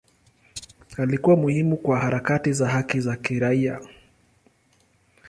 Alikuwa muhimu kwa harakati za haki za kiraia.